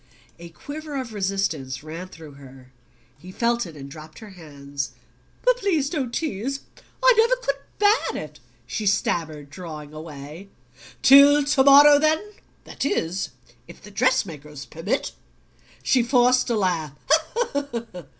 A quiver of resistance ran through her: he felt it and dropped her hands. "Please don't tease. I never could bear it," she stammered, drawing away. "Till to morrow, then; that is, if the dress makers permit." She forced a laugh.